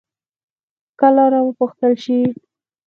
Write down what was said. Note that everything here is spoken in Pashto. که لاره وپوښتل شي، نو ورکېدل به کم شي.